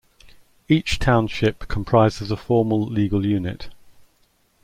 Each township comprises a formal legal unit.